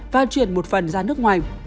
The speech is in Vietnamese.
và chuyển một phần ra nước ngoài